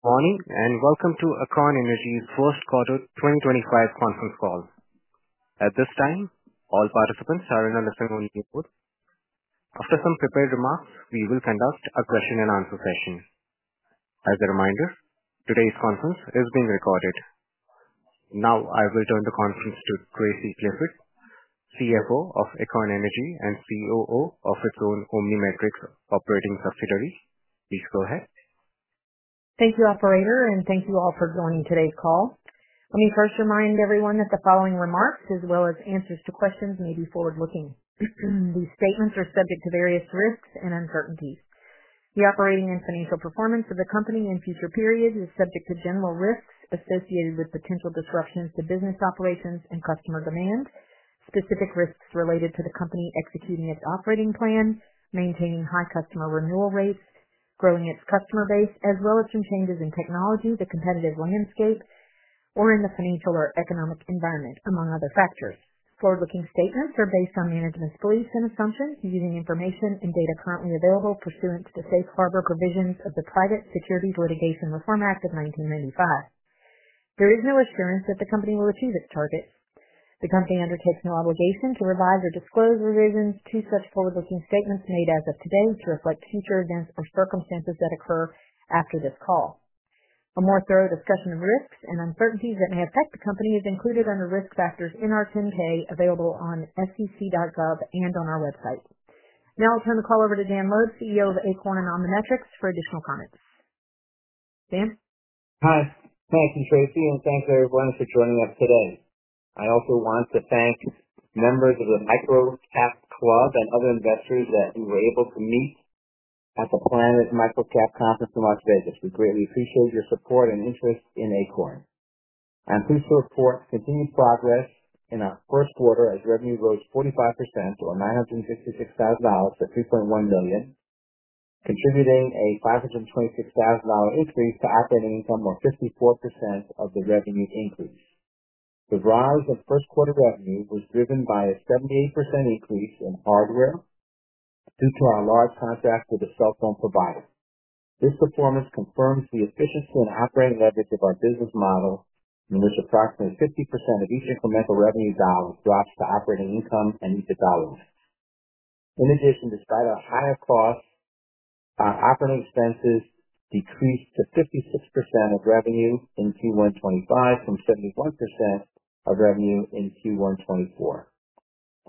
Good morning and welcome to Acorn Energy's first quarter 2025 conference call. At this time, all participants are in a listening mode. After some prepared remarks, we will conduct a question-and-answer session. As a reminder, today's conference is being recorded. Now I will turn the conference to Tracy Clifford, CFO of Acorn Energy and COO of its own OmniMetrix operating subsidiary. Please go ahead. Thank you, Operator, and thank you all for joining today's call. Let me first remind everyone that the following remarks, as well as answers to questions, may be forward-looking. These statements are subject to various risks and uncertainties. The operating and financial performance of the company in future periods is subject to general risks associated with potential disruptions to business operations and customer demand, specific risks related to the company executing its operating plan, maintaining high customer renewal rates, growing its customer base, as well as some changes in technology, the competitive landscape, or in the financial or economic environment, among other factors. Forward-looking statements are based on management's beliefs and assumptions using information and data currently available pursuant to the Safe Harbor Provisions of the Private Securities Litigation Reform Act of 1995. There is no assurance that the company will achieve its targets. The company undertakes no obligation to revise or disclose revisions to such forward-looking statements made as of today to reflect future events or circumstances that occur after this call. A more thorough discussion of risks and uncertainties that may affect the company is included under risk factors in our 10-K available on sec.gov and on our website. Now I'll turn the call over to Jan Loeb, CEO of Acorn Energy and OmniMetrix, for additional comments. Jan? Hi, thank you, Tracy, and thanks everyone for joining us today. I also want to thank members of the MicroCap Club and other investors that we were able to meet at the Planet MicroCap Conference in Las Vegas. We greatly appreciate your support and interest in Acorn. I'm pleased to report continued progress in our first quarter as revenue rose 45%, or $966,000, to $3.1 million, contributing a $526,000 increase to operating income, or 54% of the revenue increase. The rise in first-quarter revenue was driven by a 78% increase in hardware due to our large contract with a cell phone provider. This performance confirms the efficiency and operating leverage of our business model, in which approximately 50% of each incremental revenue dollar drops to operating income and each development. In addition, despite our higher costs, our operating expenses decreased to 56% of revenue in Q1 2025 from 71% of revenue in Q1 2024.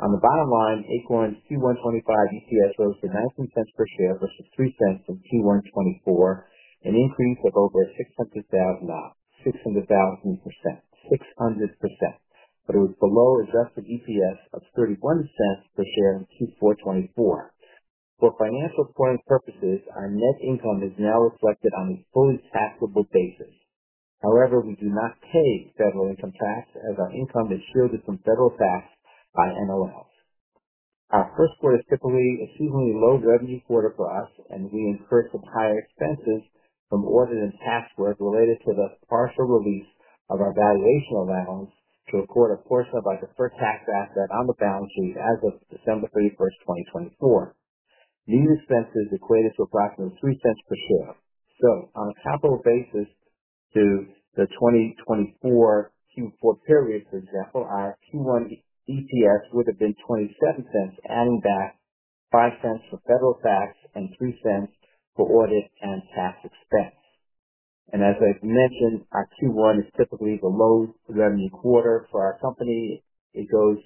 On the bottom line, Acorn's Q1 2025 EPS rose to $0.19 per share versus $0.03 in Q1 2024, an increase of over 600,000%, but it was below adjusted EPS of $0.31 per share in Q4 2024. For financial reporting purposes, our net income is now reflected on a fully taxable basis. However, we do not pay federal income tax as our income is shielded from federal tax by NOLs. Our first quarter is typically a seasonally low revenue quarter for us, and we incur some higher expenses from orders and tax work related to the partial release of our valuation allowance to record a portion of our deferred tax asset on the balance sheet as of December 31, 2024. These expenses equated to approximately $0.03 per share. On a capital basis to the 2024 Q4 period, for example, our Q1 EPS would have been $0.27, adding back $0.05 for federal tax and $0.03 for audit and tax expense. As I have mentioned, our Q1 is typically the low revenue quarter for our company. It goes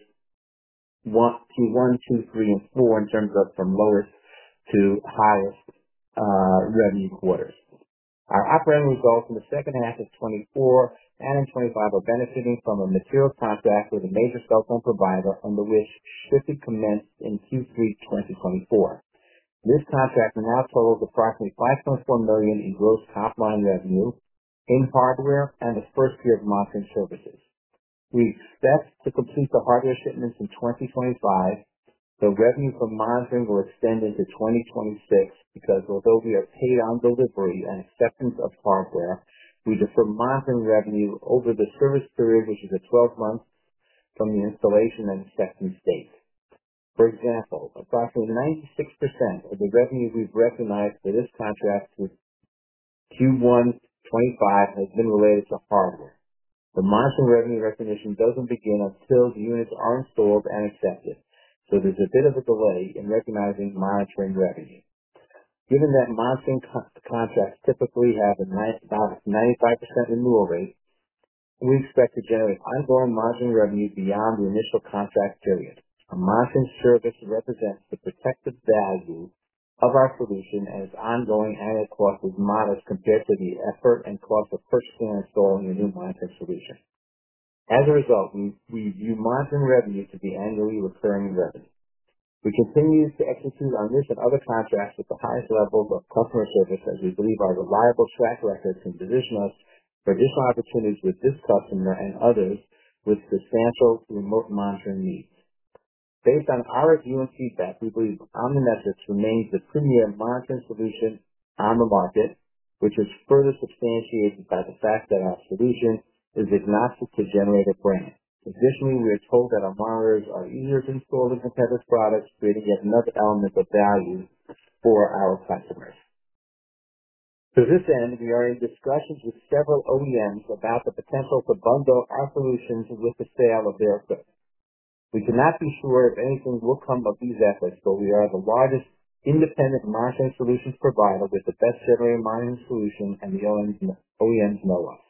Q1, Q3, and Q4 in terms of from lowest to highest revenue quarters. Our operating results in the second half of 2024 and in 2025 are benefiting from a material contract with a major cell phone provider under which shipping commenced in Q3 2024. This contract now totals approximately $5.4 million in gross top-line revenue in hardware and the first year of monitoring services. We expect to complete the hardware shipments in 2025. The revenue from monitoring will extend into 2026 because, although we are paid on delivery and acceptance of hardware, we defer monitoring revenue over the service period, which is a 12-month from the installation and acceptance date. For example, approximately 96% of the revenue we've recognized for this contract with Q1 2025 has been related to hardware. The monitoring revenue recognition doesn't begin until the units are installed and accepted, so there's a bit of a delay in recognizing monitoring revenue. Given that monitoring contracts typically have a 95% renewal rate, we expect to generate ongoing monitoring revenue beyond the initial contract period. A monitoring service represents the protective value of our solution as ongoing added cost is modest compared to the effort and cost of purchasing and installing a new monitoring solution. As a result, we view monitoring revenue to be annually recurring revenue. We continue to execute on this and other contracts with the highest levels of customer service as we believe our reliable track record can position us for additional opportunities with this customer and others with substantial remote monitoring needs. Based on our review and feedback, we believe OmniMetrix remains the premier monitoring solution on the market, which is further substantiated by the fact that our solution is agnostic to generator brand. Additionally, we are told that our monitors are easier to install than competitive products, creating yet another element of value for our customers. To this end, we are in discussions with several OEMs about the potential to bundle our solutions with the sale of their equipment. We cannot be sure if anything will come of these efforts, but we are the largest independent monitoring solutions provider with the best generator monitoring solution, and the OEMs know us.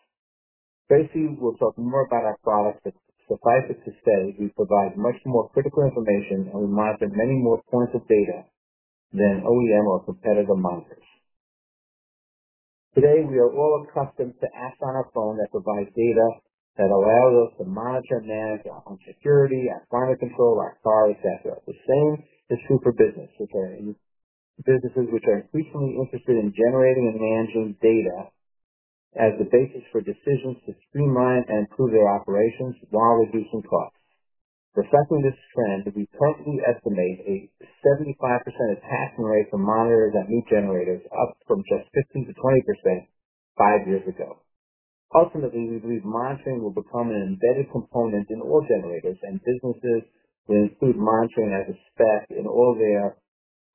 Tracy will talk more about our products, but suffice it to say we provide much more critical information, and we monitor many more points of data than OEM or competitor monitors. Today, we are all accustomed to apps on our phone that provide data that allows us to monitor and manage our own security, our climate control, our car, etc. The same is true for businesses which are increasingly interested in generating and managing data as the basis for decisions to streamline and improve their operations while reducing costs. Reflecting this trend, we currently estimate a 75% attachment rate for monitors on new generators, up from just 15-20% five years ago. Ultimately, we believe monitoring will become an embedded component in all generators, and businesses will include monitoring as a spec in all their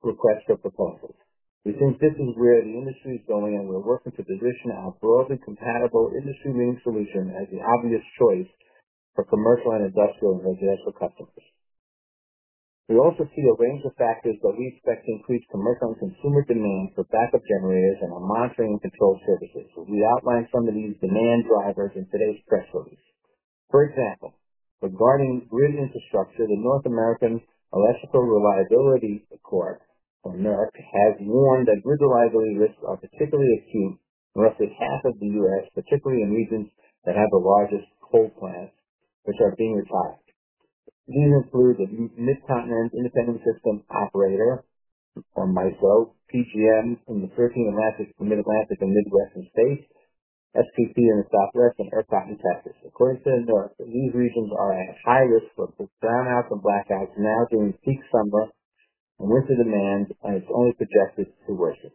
requests or proposals. We think this is where the industry is going, and we're working to position our broadly compatible industry-leading solution as the obvious choice for commercial and industrial and residential customers. We also see a range of factors that we expect to increase commercial and consumer demand for backup generators and our monitoring and control services. We outlined some of these demand drivers in today's press release. For example, regarding grid infrastructure, the North American Electric Reliability Corporation, or NERC, has warned that grid reliability risks are particularly acute in roughly half of the U.S., particularly in regions that have the largest coal plants, which are being retired. These include the Midcontinent Independent System Operator, or MISO, PJM in the Mid-Atlantic and Midwestern States, SPP in the Southwest, and ERCOT in Texas. According to NERC, these regions are at high risk for brownouts and blackouts now during the peak summer and winter demand, and it's only projected to worsen.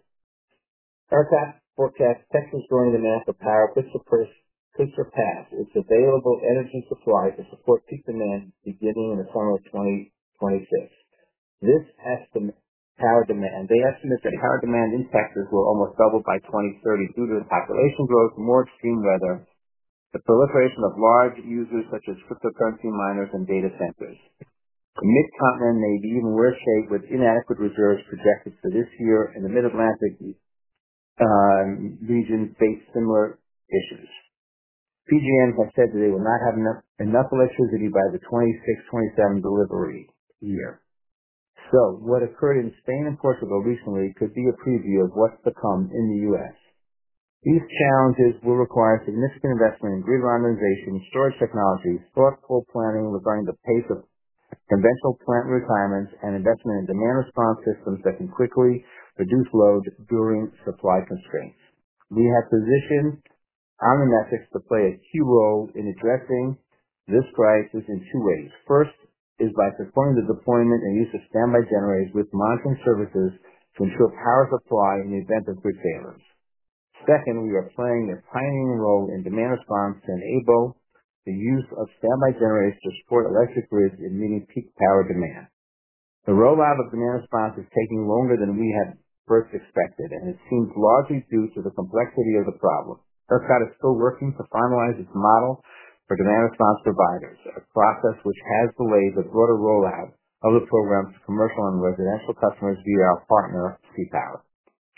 ERCOT forecasts Texas growing demand for power could surpass its available energy supply to support peak demand beginning in the summer of 2026. They estimate that power demand in Texas will almost double by 2030 due to the population growth, more extreme weather, the proliferation of large users such as cryptocurrency miners, and data centers. Midcontinent may be even worse shaped with inadequate reserves projected for this year, and the Mid-Atlantic region faces similar issues. PJM has said that they will not have enough electricity by the 2026-2027 delivery year. What occurred in Spain and Portugal recently could be a preview of what's to come in the U.S. These challenges will require significant investment in grid modernization, storage technologies, thoughtful planning regarding the pace of conventional plant retirements, and investment in demand response systems that can quickly reduce load during supply constraints. We have positioned OmniMetrix to play a key role in addressing this crisis in two ways. First is by supporting the deployment and use of standby generators with monitoring services to ensure power supply in the event of grid failures. Second, we are playing a pioneering role in demand response to enable the use of standby generators to support electric grids in meeting peak power demand. The rollout of demand response is taking longer than we had first expected, and it seems largely due to the complexity of the problem. ERCOT is still working to finalize its model for demand response providers, a process which has delayed the broader rollout of the program to commercial and residential customers via our partner, CPower.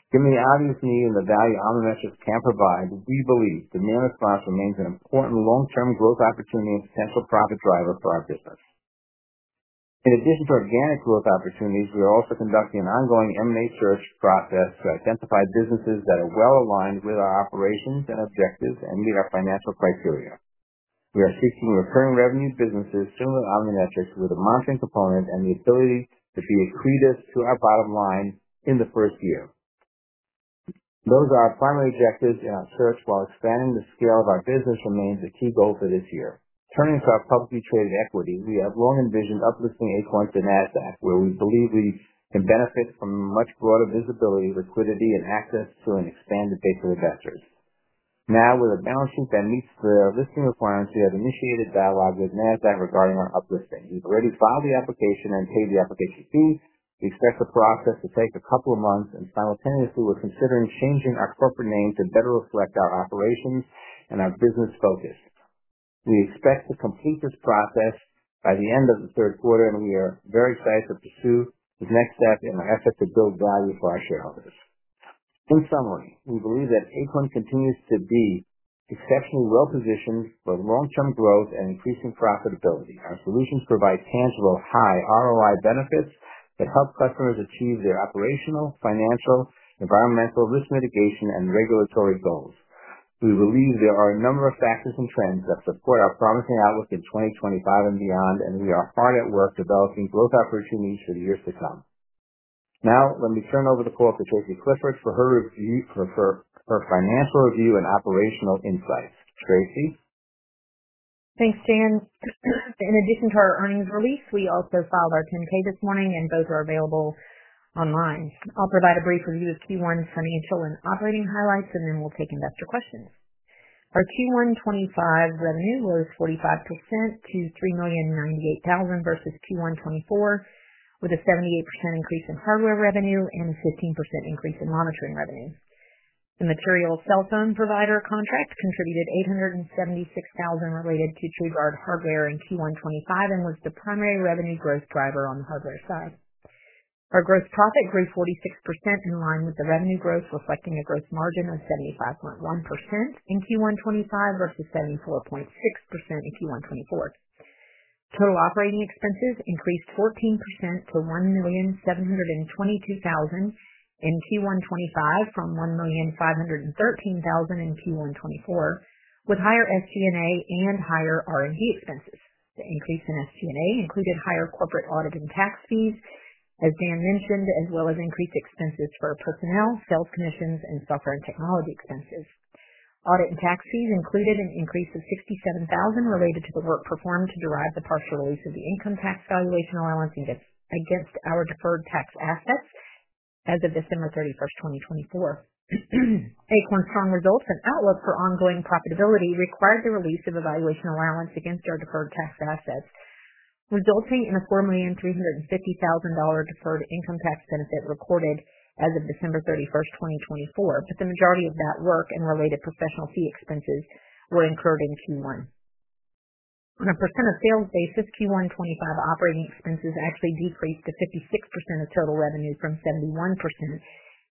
Given the obvious need and the value OmniMetrix can provide, we believe demand response remains an important long-term growth opportunity and potential profit driver for our business. In addition to organic growth opportunities, we are also conducting an ongoing M&A search process to identify businesses that are well aligned with our operations and objectives and meet our financial criteria. We are seeking recurring revenue businesses similar to OmniMetrix with a monitoring component and the ability to be a accretive to our bottom line in the first year. Those are our primary objectives in our search while expanding the scale of our business remains a key goal for this year. Turning to our publicly traded equity, we have long envisioned uplisting Acorn to NASDAQ, where we believe we can benefit from much broader visibility, liquidity, and access to an expanded base of investors. Now, with a balance sheet that meets the listing requirements, we have initiated dialogue with NASDAQ regarding our uplisting. We've already filed the application and paid the application fee. We expect the process to take a couple of months, and simultaneously, we're considering changing our corporate name to better reflect our operations and our business focus. We expect to complete this process by the end of the third quarter, and we are very excited to pursue this next step in our effort to build value for our shareholders. In summary, we believe that Acorn continues to be exceptionally well positioned for long-term growth and increasing profitability. Our solutions provide tangible high ROI benefits that help customers achieve their operational, financial, environmental, risk mitigation, and regulatory goals. We believe there are a number of factors and trends that support our promising outlook in 2025 and beyond, and we are hard at work developing growth opportunities for the years to come. Now, let me turn over the floor to Tracy Clifford for her financial review and operational insights. Tracy? Thanks, Jan. In addition to our earnings release, we also filed our 10-K this morning, and both are available online. I'll provide a brief review of Q1's financial and operating highlights, and then we'll take investor questions. Our Q1 2025 revenue rose 45% to $3,098,000 versus Q1 2024, with a 78% increase in hardware revenue and a 15% increase in monitoring revenue. The material cell phone provider contract contributed $876,000 related to TrueGuard hardware in Q1 2025 and was the primary revenue growth driver on the hardware side. Our gross profit grew 46% in line with the revenue growth, reflecting a gross margin of 75.1% in Q1 2025 versus 74.6% in Q1 2024. Total operating expenses increased 14% to $1,722,000 in Q1 2025 from $1,513,000 in Q1 2024, with higher SG&A and higher R&D expenses. The increase in SG&A included higher corporate audit and tax fees, as Jan mentioned, as well as increased expenses for personnel, sales commissions, and software and technology expenses. Audit and tax fees included an increase of $67,000 related to the work performed to derive the partial release of the income tax valuation allowance against our deferred tax assets as of December 31, 2024. Acorn's strong results and outlook for ongoing profitability required the release of valuation allowance against our deferred tax assets, resulting in a $4,350,000 deferred income tax benefit recorded as of December 31, 2024, but the majority of that work and related professional fee expenses were incurred in Q1. On a percent of sales basis, Q1 2025 operating expenses actually decreased to 56% of total revenue from 71%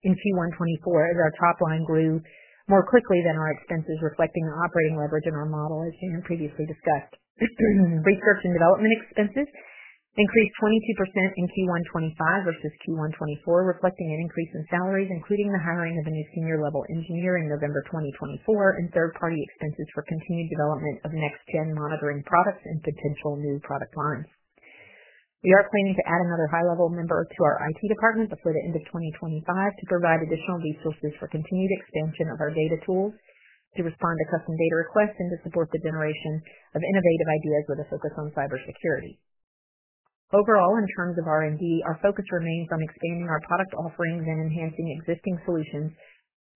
in Q1 2024 as our top line grew more quickly than our expenses, reflecting the operating leverage in our model, as Jan previously discussed. Research and development expenses increased 22% in Q1 2025 versus Q1 2024, reflecting an increase in salaries, including the hiring of a new senior-level engineer in November 2024, and third-party expenses for continued development of next-gen monitoring products and potential new product lines. We are planning to add another high-level member to our IT department before the end of 2025 to provide additional resources for continued expansion of our data tools to respond to custom data requests and to support the generation of innovative ideas with a focus on cybersecurity. Overall, in terms of R&D, our focus remains on expanding our product offerings and enhancing existing solutions,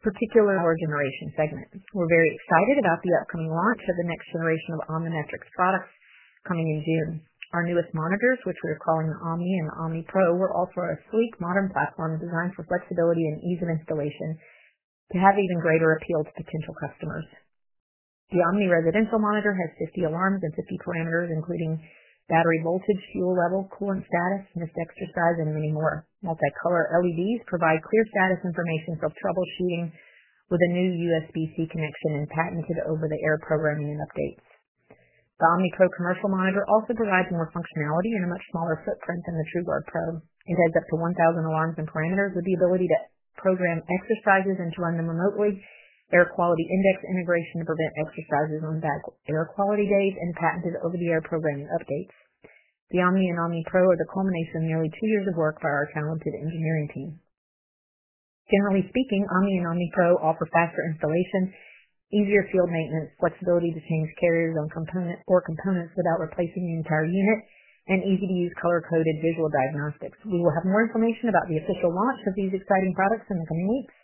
particularly our generation segment. We're very excited about the upcoming launch of the next generation of OmniMetrix products coming in June. Our newest monitors, which we are calling the Omni and the Omni Pro, are all for a sleek, modern platform designed for flexibility and ease of installation to have even greater appeal to potential customers. The Omni residential monitor has 50 alarms and 50 parameters, including battery voltage, fuel level, coolant status, missed exercise, and many more. Multi-color LEDs provide clear status information for troubleshooting with a new USB-C connection and patented over-the-air programming and updates. The Omni Pro commercial monitor also provides more functionality and a much smaller footprint than the TrueGuard PRO. It has up to 1,000 alarms and parameters with the ability to program exercises and to run them remotely, air quality index integration to prevent exercises on bad air quality days, and patented over-the-air programming updates. The Omni and Omni Pro are the culmination of nearly two years of work by our talented engineering team. Generally speaking, Omni and Omni Pro offer faster installation, easier field maintenance, flexibility to change carriers or components without replacing the entire unit, and easy-to-use color-coded visual diagnostics. We will have more information about the official launch of these exciting products in the coming weeks.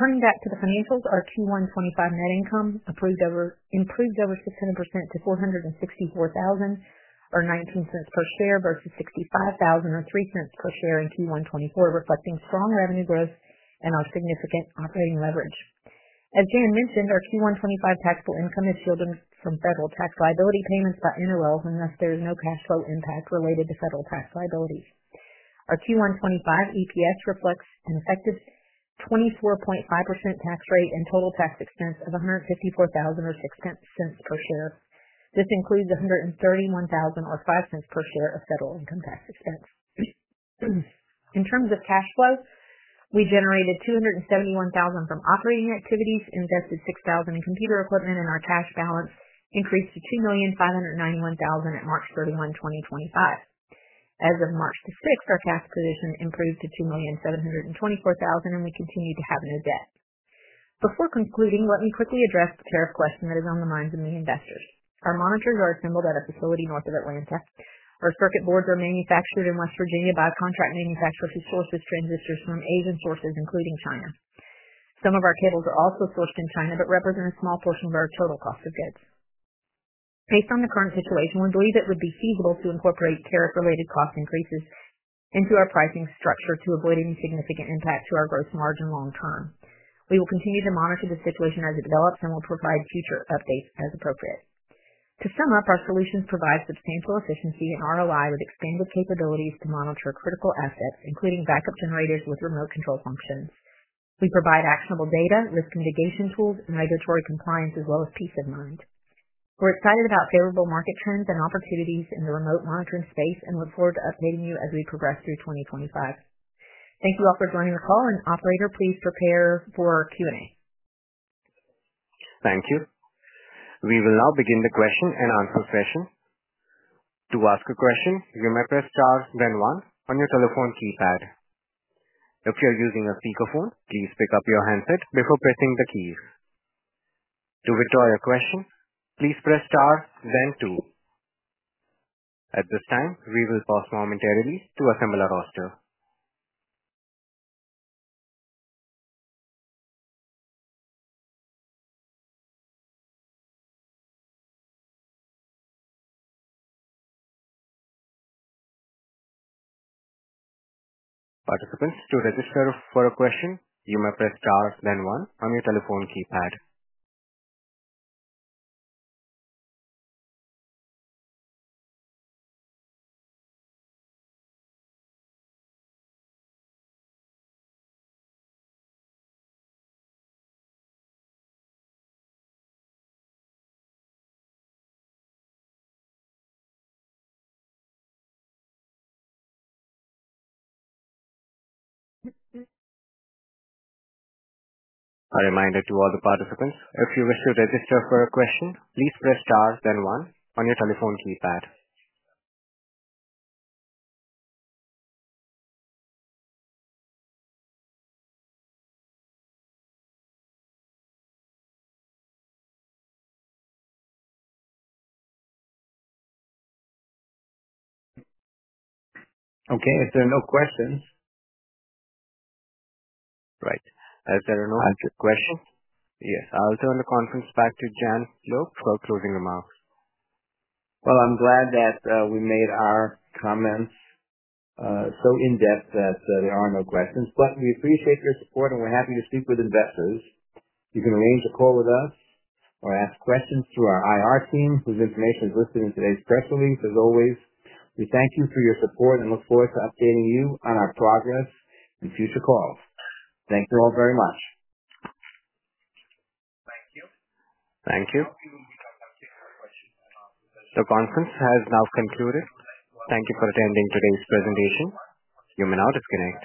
Turning back to the financials, our Q1 2025 net income improved over 600% to $464,000 or $0.19 per share versus $65,000 or $0.03 per share in Q1 2024, reflecting strong revenue growth and our significant operating leverage. As Jan mentioned, our Q1 2025 taxable income is shielded from federal tax liability payments by NOLs unless there is no cash flow impact related to federal tax liabilities. Our Q1 2025 EPS reflects an effective 24.5% tax rate and total tax expense of $154,000 or $0.06 per share. This includes $131,000 or $0.05 per share of federal income tax expense. In terms of cash flow, we generated $271,000 from operating activities, invested $6,000 in computer equipment, and our cash balance increased to $2,591,000 at March 31, 2025. As of March 6, our cash position improved to $2,724,000, and we continue to have no debt. Before concluding, let me quickly address the tariff question that is on the minds of many investors. Our monitors are assembled at a facility north of Atlanta. Our circuit boards are manufactured in West Virginia by a contract manufacturer who sources transistors from Asian sources, including China. Some of our cables are also sourced in China but represent a small portion of our total cost of goods. Based on the current situation, we believe it would be feasible to incorporate tariff-related cost increases into our pricing structure to avoid any significant impact to our gross margin long-term. We will continue to monitor the situation as it develops and will provide future updates as appropriate. To sum up, our solutions provide substantial efficiency and ROI with expanded capabilities to monitor critical assets, including backup generators with remote control functions. We provide actionable data, risk mitigation tools, and regulatory compliance as well as peace of mind. We're excited about favorable market trends and opportunities in the remote monitoring space and look forward to updating you as we progress through 2025. Thank you all for joining the call, and Operator, please prepare for our Q&A. Thank you. We will now begin the question and answer session. To ask a question, you may press star then star one on your telephone keypad. If you're using a speakerphone, please pick up your handset before pressing the keys. To withdraw your question, please press star then star two. At this time, we will pause momentarily to assemble our roster. Participants, to register for a question, you may press star then star one on your telephone keypad. A reminder to all the participants, if you wish to register for a question, please press star then star one on your telephone keypad. Okay, if there are no questions. Right. If there are no questions. Yes. I'll turn the conference back to Jan Loeb for closing remarks. I'm glad that we made our comments so in-depth that there are no questions, but we appreciate your support, and we're happy to speak with investors. You can arrange a call with us or ask questions through our IR team, whose information is listed in today's press release, as always. We thank you for your support and look forward to updating you on our progress and future calls. Thank you all very much. Thank you. Thank you. The conference has now concluded. Thank you for attending today's presentation. You may now disconnect.